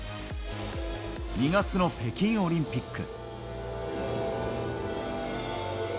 ２月の北京オリンピック。